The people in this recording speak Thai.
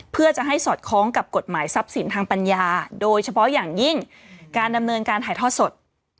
เพื่อจะให้สอดคล้องกับกฎหมายทรัพย์สินทางปัญญาโดยเฉพาะอย่างยิ่งการดำเนินการถ่ายทอดสด